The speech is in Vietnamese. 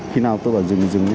khi nào tôi gọi dừng thì dừng nhé